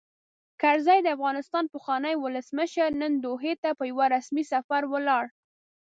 کرزی؛ د افغانستان پخوانی ولسمشر، نن دوحې ته په یوه رسمي سفر ولاړ.